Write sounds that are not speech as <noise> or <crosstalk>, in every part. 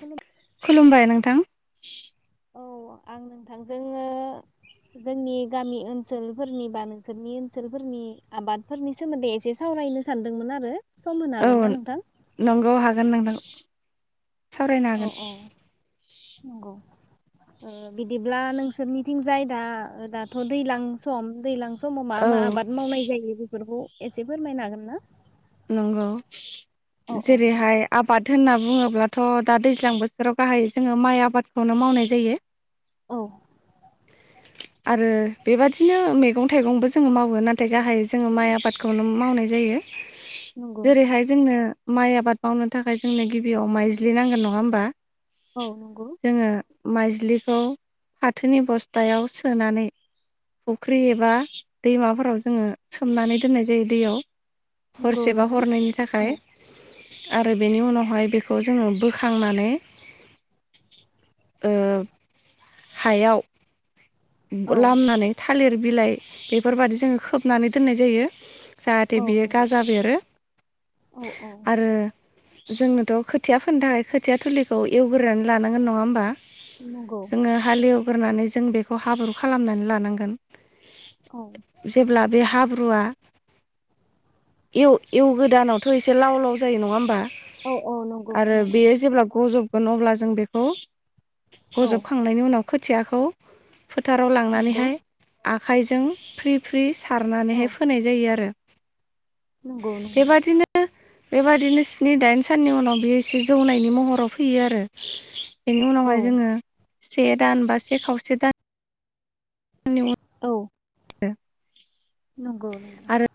खुलुम खुलुमबाय नोंथां। <inaudible> औ आं नोंथांजोङो जोंनि गामि ओनसोलफोरनि बा नोंसोरनि ओनसोलफोरनि आबादफोरनि सोमोन्दै एसे सावरायनो सानदोंमोन आरो। सम होनो हागोन ना औ नोंथां? नंगौ हागोन नोंथां। <inaudible> सावरायनो औ हागोन‌। ओ बिदिब्ला नोंसोरनिथिं जाय दा दाथ' दैज्लां सम दैजलां स माव मा मा औ आबाद मावनाय जायो बेफोरखौ एसे फोरमायनो हागोन ना? नंगौ औ औ जेरैहाय आबाद होनना बुङोब्लाथ' दा दैज्लां बोसोराव गाहाय जोङो माइ आबादखौनो मावनाय जायो। औ। आरो बेबादिनो मैगं थाइगंबो जोङो मावो नाथाय गाहाय जोङो माइ आबादखौनो मावनाय जायो। नंगौ जेरैहाय जोंनो माइ आबाद मावनो थाखाय जोंनो गिबियाव माइज्लि नांगोन नङा होमबा? औ नंगौ। जोङो माइज्लिखौ फाथोनि बस्थायाव सोनानै फुख्रि एबा दैमाफोराव जोङो सोमनानै दोननाय जायो दैयाव। नंगौ हरसेबा नोंथां हरनैनि थाखाय। औ आरो बेनि उनावहाय बेखौ जोङो बोखांनानै ओ हायाव औ लामनानै था लिर बिलाइ बेफोरबायदि जोङो खोबनानै दोननाय जायो। जाहाथे औ बियो नंगौ गाजा बेरो औ औ आरो जोंनोथ' खोथिया फोननो थाखाय खोथिया थुलिखौ एवगोरानै लानांगोन नङा होमबा? नंगौ। ग्रोनानै जों बे खौ हाब्रु खालामनानै लानांगोन। औ जेब्ला बे हाब्रुआ एव एव गोदानावथ' एसे लाव लाव जायो नङा होमबा? औ औ नंगौ आरो नंगौ बेयो जेब्ला गजब होन अब्ला जों बेखौ। औ बजबखांनायनि उनाव खोथियाखौ फोथाराव नंगौ लांनानैहाय आखाइजों फ्रि फ्रि औ सारनानैहाय फोनाय जायो आरो। नंगौ नंगौ बेबादिनो बेबादिनो स्नि दाइन साननि उनाव बियो एसे जौनायनि महराव फैयो आरो। बेनि औ उनावहाय जोङो से दान बा से खावसे दान आंनिआव औ। <unintelligible> नंगौ नंगौ। आरो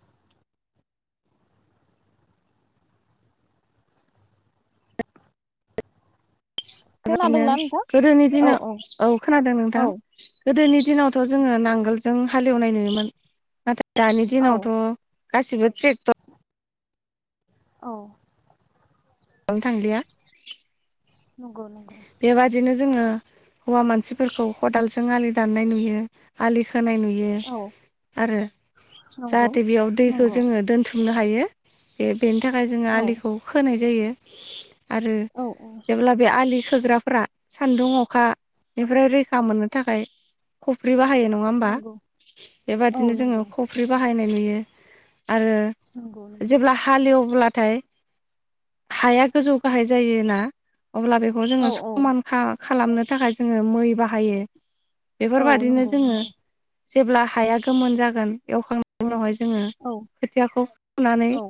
बेबायदिनो खोनादोंना नोंथां? गोदोनि दिनाव औ खोनादों नोंथां औ गोदोनि दिनावथ' जोङो नांग आगोल जों हालएवनाय नुयोमोन नाथाय दानि औ दिनावथ' गासिबो तेकतर औ ओं थांलिया नंगौ नंगौ बेबादिनो जोङो हौवा मानसिफोरखौ खदालजों आलि दाननाय नुयो आलि खोनाय नुयो औ आरो नंगौ जाहाथे बेयाव दैखौ नंगौ जोङो दोनथुमनो थायो बे बेनि थाखाय जोङो औ आलिखौ खोनाय जायो। आरो औ औ जेब्ला बे आलि फ्रा सान्दुं अखा औ बेफोराव रैखा मोननो नि थाखाय खफ्रि बा फायो नङा होमबा नंगौ औ बेबादिनो जोङो नंगौ खफ्रि बाहायनाय नुयो। <unintelligible> आरो नंगौ नंगौ जेब्ला हालएव अब्लाथाय हाया गोजौ गाहाय जायोना अब्ला बे खौ औ जोङो औ समानखा खालामनो थाखाय जोङो मै बाहायो। औ बेफोरबादिनो नंगौ जोङो। नंगौ जेब्ला हाया गोमोन जागोन एवखांनायनि उनावहाय। जोङो औ खोथियाखौ फुनानै औ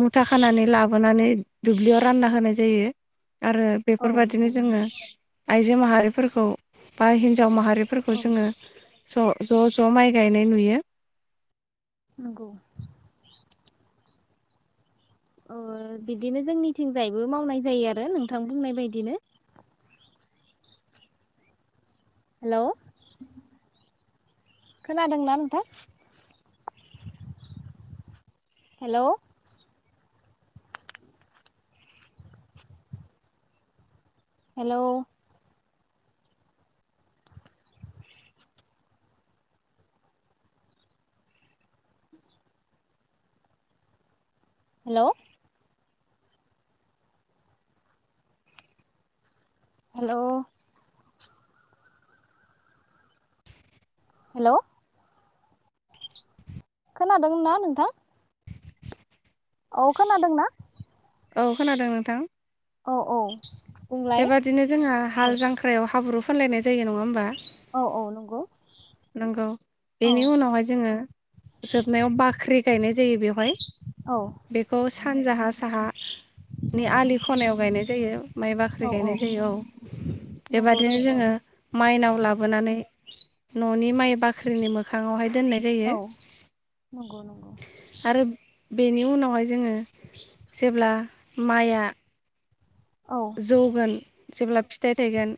मुथा खानानै। लाबोनानै दुब्लियाव रानना होनाय जायो आरो। औ नंगौ बेफोरबायदिनो जोङो आइजो माहारिफोरखौ बा हिनज जाव माहारिफोरखौ औ जोङो ज' ज' ज' माइ गायनाय नुयो। नोंगौ। ओ बिदिनो जोंनिथिंजायबो मावनाय जायो आरो नोंथां बुंनाय बायदिनो। हेलौ। खोनादोंना नोंथां hello. Hello. Hello. Hello. Hello. खोनादों ना नोंथां। औ खोनादोंना। औ खोनादों नोंथां। औ औ। बुंलाय बेबादिनो जोंहा औ हाल जांख्रायाव हाब्रु फुनलायनाय जायो नङा होनोमबा औ औ नंगौ। नोंगौ। औ बेनि उनावहाय जोङो जोबनायाव बाख्रि गायनाय जायो बेवहाय। औ बेखौ सानजाहा साहानि नंगौ आलि खनायाव गायनाय जायो माइ बाख्रि औ औ गायनाय जायो औ नंगौ बेबादिनो नोंथां जोङो माइनाव लाबोनानै न'नि माइ बाख्रिनि मोखाङावहाय दोननाय जायो औ नंगौ नंगौ आरो। बेनि उनावहाय जोङो जेब्ला माइआ। औ जौगोन जेब्ला फिथाइ थायगोन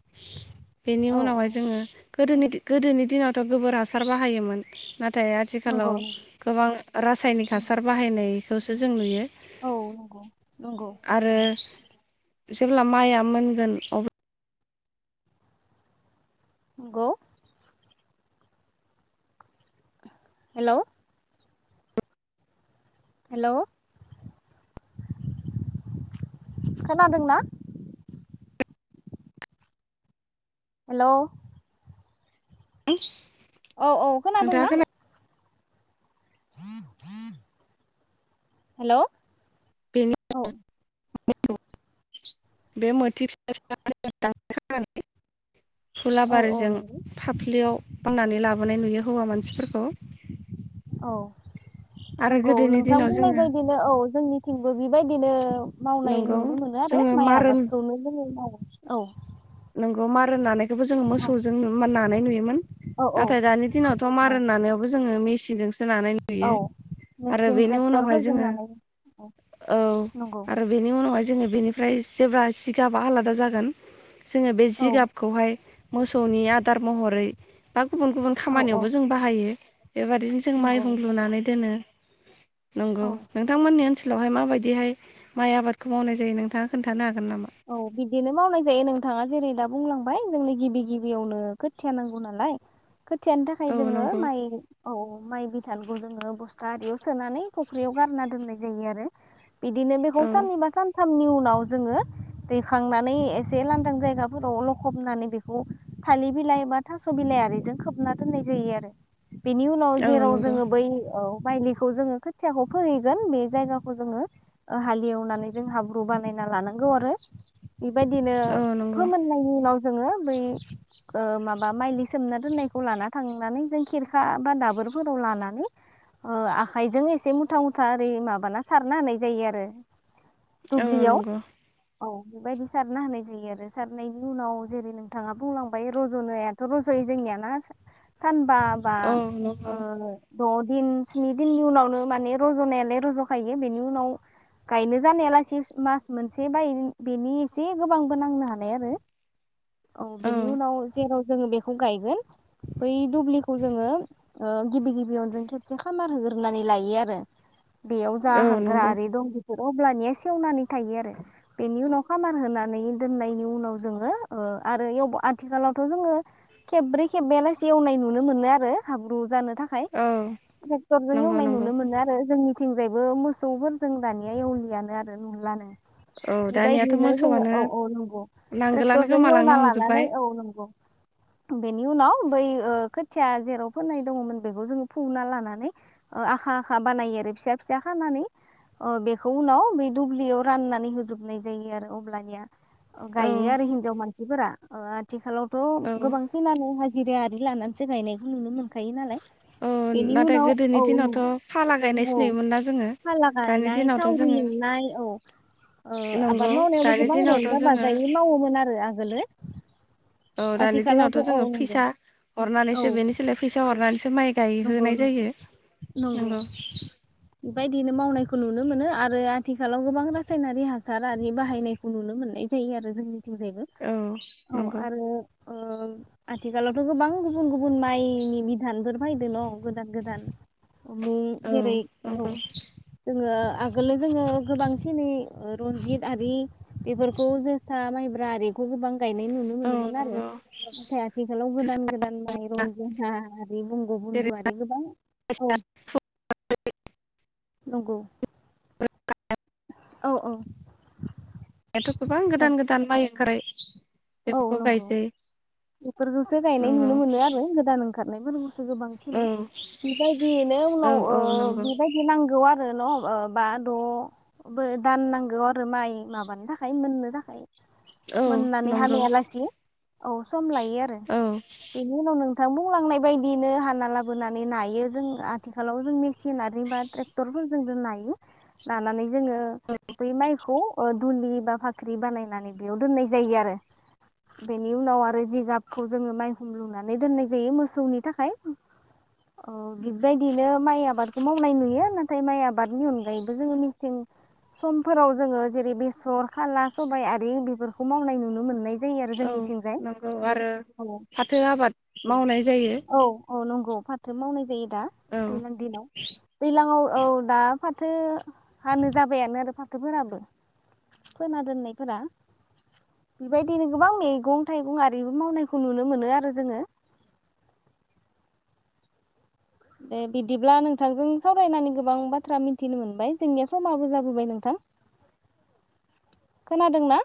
बेनि औ औ उनावहाय जोङो। गोदोनि गोदोनि दिनावथ' गोबोर हासार बाहायोमोन। नाथाय नंगौ आथिखालाव नंगौ गोबां रासायनिक हासार बाहायनाय। खौसो जों लुयो। औ नंगौ। नंगौ आरो। जेब्ला माइया मोनगोन अब्ला। नंगौ। हेलौ हेलौ खोनादों ना? हेलौ <unintelligible> औ औ नोंथाङा खोनादोंना? खोना हेलौ औ बेनो <unintelligible> बे मोथि फिसा फिसा <unintelligible> खानानै औ औ फुलाबारिजों नंगौ फाफ्लियाव बांनानै लाबोनाय नुयो हौवा मानसिफोरखौ औ आरो नंगौ गोदोनि नोंथां दिनाव बुंनाय जोङो बायदिनो औ जोंनिथिंबो बेबायदिनो मावनाय नंगौ नुनो मोनो आरो जोङो माइ मारोन आबादखौनो जोङो मावो। औ नोंगौ मारा नानाय। खौबो जों औ मोसौजों मान नांनाय नुयोमोन औ नाथाय दानि दिनावथ' औ मारन नानायावबो जों मिचिन बिजोंस सोनारनाय औ नुयो आरो मेचिन बेनि उनावहाय ट्रेक्टरफोरजों जोङो नानाय औ औ नंगौ आरो बेनि उनावहाय जोङो बेनिफ्राय जेब्ला सिगाबा आलादा जागोन। जोङो बे औ जिगाबखौहाय मोसौनि आदार महरै बा गुबुन गुबुन औ औ खामानियावबो जों बाहायो। बेबदिनो जों नंगौ माइहुं नंगौ लुनानै दोनो। नंगौ औ नोंथांमोननि ओनस सोलावहाय माबायदिहाय माइ आबादखौ मावनाय जायो नोंथाङा खोन्थाना हागोन नामा औ बिदिनो मावनाय जायो नों थाङा जेरै दा बुंलांबाय जोंनो गिबि गिबियावनो खोथिया नांगौ नालाय खोथियानो औ थाखाय जोङो नंगौ माइ औ माइ बिथानखौ जोङो बस्था आरियाव सोनानै फुख्रियाव गारना दोननाय जायो आरो बिदिनो बेखौ औ साननिबा सानथामनि उनाव जोङो दैखांनानै एसे लांदां जायगाफोराव लखबनानै बेखौ थालिर बिलाइ बा थास' बिलाइ आरिजों खोबना दोननाय जायो आरो बेनि उनाव औ जेराव नंगौ जोङो बै औ। माइलिखौ जोङो खोथियाखौ फोहैगोन बे जायगाखौ जोङो हालेवनानै जों हाब्रु बानायना लानांगौ आरो बेबायदिनो औ नंगौ फोमोननायनि उनाव जोङो बै माबा ओ माइलि सोमना दोननायखौ लाना थांनानै जों खिरखा बा दाबोरफोराव लानानै ओ आखाइजों एसे मुथा मुथा ओरै माबाना सारना होनाय जायो आरो औ दुब्लियाव नंगौ। औ बेबायदि सारना होनाय जायो आरो सारनायनि उनाव जेरै नोंथाङा बुंलांबाय रज'नायाथ' रज'यो जोंनियाना। सानबा बा औ नंगौ ओ द' दिन स्नि दिननि उनावनो माने रज'नायालाय रज'खायो बेनि उनाव गायनो जानायालासे मास मोनसे बा बेनि एसे गोबांबो नांनो हानाय आरो। औ बेनि उनाव जेराव। जोङो बेखौ गायगोन बै दुब्लिखौ जोङो ओ गिबि गिबि खेबसे खामार होग्रोनानै लायो आरो। बेयाव जा औ नंगौ हाग्राआरि दं बेखौ। अब्लानिया सेवनानै थायो आरो। बेनि उनाव खामार होनानै दोननायनि उनाव जोङो ओ आरो आथिखालावथ' जोङो खेब्रै खेबबायालासे एवनाय नुनो मोनो आरो हाब्रु जानो। थाखाय औ ट्रेक्टर जों नंगौ एवनाय नंगौ नुनो मोनो आरो जोंनि। थिंजायबो मोसौफोरजों दानिया एवलियानो आरो नुलानो। औ बे दानियाथ' बायदियैनो जोङो मोसौआनो औ औ नंगौ नांगोलानो ट्रेक्टरजों गोमालांनो एवना हमजोब्बाय लानानै औ नंगौ। बेनि उनाव बै ओ खोथिया जेराव फोननाय दङमोन बेखौ जोङो फुना लानानै ओ आखा आखा बानायो आरो फिसा फिसा खानानै अ बेखौ उनाव ब दुब्लियाव राननानै होजोब। नाय जायो आरो अब्लानिया। अ औ गायो आरो हिन्जाव मानसिफोरा। अ आथि खालाव। थ' औ गोबांसिन आनो हाजिरा आ। <unintelligible> लानानै जों गायनायखौ नुनो मोनखायो नालाय। औ बेनि नाथाय उनाव गोदोनि औ दिनावथ' फाला गायनायसो औ नुयोमोन ना जोङो फाला दानि गायनाय दिनावथ' सावरि जोङो। लिंनाय औ ओ नंगौ आबाद मावनायावबो दानि गोबां दिनावथ' रंजा जोङो बाजायै मावोमोन आरो। आगोलो। औ दानि दिनावथ' आथिखालावथ' औ जोङो नंगौ फैसा औ हरनानैसो बेनिसोलाय फैसा हरनानैसो माइ। नंगौ गायहोनाय नंगौ जायो नंगौ। बे बायदिनो मावनायखौ नुनो मोनो आरो आथिखालाव गोबां रासायनारि हासार आरि बाहायनायखौ नुनो मोननाय जायो आरो जोंनि। बयबो औ औ नंगौ आरो। ओ आथिखालावथ' गोबां गुबुन गुबुन माइनि बिधानफोर। फैदोल' गोदान गोदान। मुं औ जेरै औ नंगौ जोङो। आगोलो जोङो गोबांसिनै रनजित आरि बेफोरखौ जोसा माइब्रा आरि। बेखौबो गोबां गायनाय नुनो औ मोन आरो नंगौ नाथाय आथिखालाव जोसा गोदान गोदान माइ रनजुना आरि। बुन्दुआरि गोबां औ। नंगौ औ औ। दाथ' गोबां औ गोदान गोदान माइ। <inaudible> थारै- औ नंगौ बेफोरखौसो गायनाय नंगौ नुनो मोनो आरो गोदान ओं खारनायबो नुस गोबांसिन। औ बेबायदियैनो औ उनाव औ ओ नंगौ बेबायदि नांगौ आरो रो न ओ बा द बो दान नांगौ आरो माइ माबानो थाखाय मोननो थाखाय। औ न मोननानै हानायालासि औ सम लायो आरो औ बेनि उनाव नों थां बुंलांनाय बायदियैनो हाना लाबोनानै नायो जों आथिखालाव जोंनि सिनारि बा ट्रेक्टरफोरजो जोंजो नायो नानानै जोङो बै माइखौ अ दुलि बा फाख्रि बानायनानै बेयाव दोननाय जायो आरो। बेनि उनाव आरो जिगाबखौ जोङो माइहुं लुंनानै दोननाय जायो मोसौनि थाखाय। औ बिबायदिनो माइ आबादखौ मावनाय नुयो। नाथाय माइ आबादनि अनगायैबो जोङो मिथिं समफोराव जोङो जेरै बेसर खाला सबाइ आरि बेफोरखौ मावनाय नुनो मोनो। औ नंगौ आरो फाथो आबाद मावनाय जायो औ औ नंगौ। फाथो मावनाय जायो। दा औ दैलां दिनाव। दैलाङाव औ दा फाथो हानो जाबायानो आरो फाथोफोराबो फोना दोननायफोरा बेबायदिनो गोबां मेगं थाइगं आरिबो मावनायखौ नुनो मोनो आरो जोङो। दे बिदिब्ला नोंथांजों सावरायनानै गोबां बाथ्रा मिथिनो मोनबाय जोंनिया समाबो जाबोबाय नोंथां। खोनादोंना?